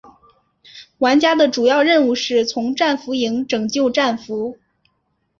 玩家的主要任务是从战俘营拯救战俘。